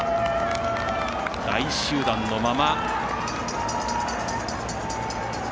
大集団のまま。